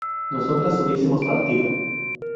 nosotras hubiésemos partido